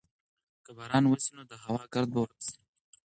که باران وسي نو د هوا ګرد به ورک سي.